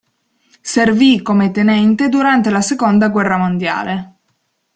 Servì come tenente durante la Seconda guerra mondiale.